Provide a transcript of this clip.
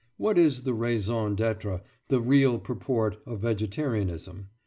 What is the raison d'être, the real purport of vegetarianism?